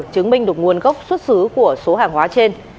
chứng minh được nguồn gốc xuất xứ của số hàng hóa trên